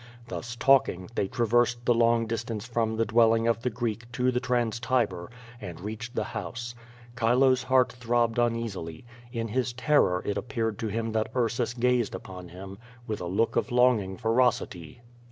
Thus talking, they traversed the QVO VADIS. 191 long distance from the dwelling of the Greek to the Trans Tiber, and reached the house. C'hilo's heart throbbed un easily. In his terror it appeared to him that Ursus gazed upon him with a look of longing ferocity.